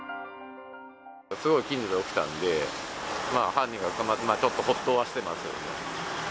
すごい近所で起きたんで、まあ犯人が捕まってちょっとほっとはしてます。